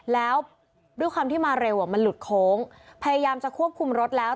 แล้วด้วยความที่มาเร็วมันหลุดโค้งพยายามจะควบคุมรถแล้ว